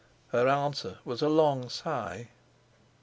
Her answer was a long sigh.